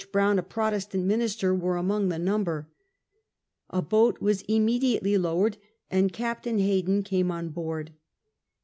Brown, a Protestant minister, were among the number. A boat was immediately lowered, and Captain Hayden came on board.